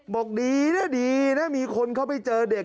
บอกดีนะดีนะมีคนเข้าไปเจอเด็ก